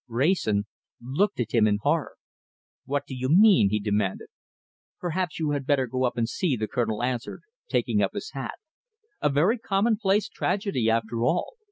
Wrayson looked at him in horror. "What do you mean?" he demanded. "Perhaps you had better go up and see," the Colonel answered, taking up his hat. "A very commonplace tragedy after all!